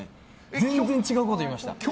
全然違うこと言いました。